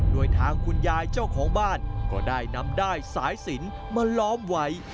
โดยทางคุณยายเจ้าของบ้านก็ได้นำด้ายสายสินมาล้อมไว้